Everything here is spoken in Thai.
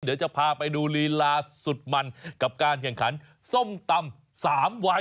เดี๋ยวจะพาไปดูลีลาสุดมันกับการแข่งขันส้มตำ๓วัน